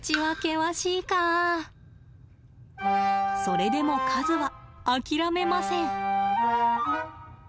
それでも和は諦めません。